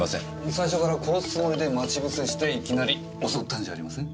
最初から殺すつもりで待ち伏せしていきなり襲ったんじゃありません？